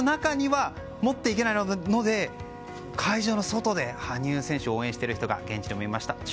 会場の中には持っていけないので会場の外で羽生選手を応援している人が現地でもいました。